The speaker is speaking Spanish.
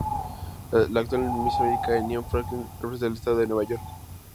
La actual Miss America es Nia Franklin representante del estado de Nueva York.